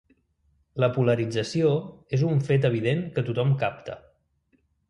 La polarització és un fet evident que tothom capta.